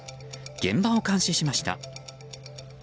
現場を監視しました。